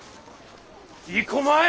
行こまい！